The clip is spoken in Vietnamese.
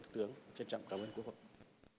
xin trân trọng cảm ơn trân trọng cảm ơn quốc hội